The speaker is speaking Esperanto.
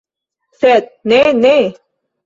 Sed ne, ne!